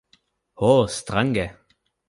Ho, strange!